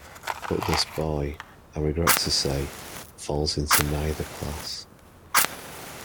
But this boy, I regret to say, falls into neither class.